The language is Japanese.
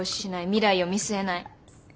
未来を見据えない。